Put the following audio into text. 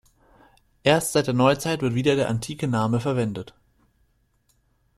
Erst seit der Neuzeit wird wieder der antike Name verwendet.